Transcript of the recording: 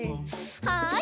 はい。